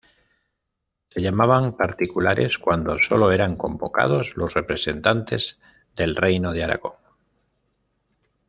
Se llamaban particulares cuando solo eran convocados los representantes del Reino de Aragón.